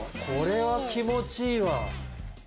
これは気持ちいいわ。